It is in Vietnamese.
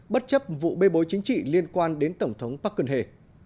bất chấp vụ bê bối chính trị liên quan đến tổng thống park geun hye